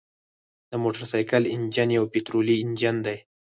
د موټرسایکل انجن یو پطرولي انجن دی.